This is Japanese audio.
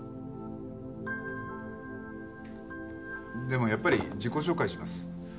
でもやっぱり自己紹介します。